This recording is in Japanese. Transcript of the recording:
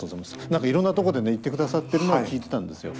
何かいろんなとこでね言ってくださってるのは聞いてたんですよ。